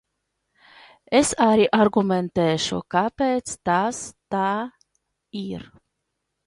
Es arī argumentēšu, kāpēc tas tā ir.